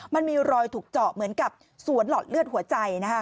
มันมีรอยถูกเจาะเหมือนกับสวนหลอดเลือดหัวใจนะคะ